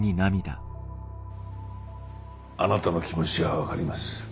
あなたの気持ちは分かります。